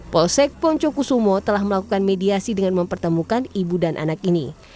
polsek poncokusumo telah melakukan mediasi dengan mempertemukan ibu dan anak ini